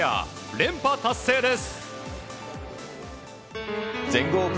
連覇達成です。